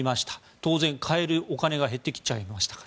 当然、買えるお金が減ってきましたから。